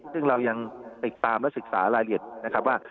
ซึ่งเรายังติดตามและศึกษารายละเอียดนะครับว่า